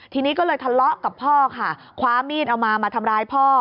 ทีนี้ก็เลยทะเลาะกับพ่อค่ะคว้ามีดเอามามาทำร้ายพ่อ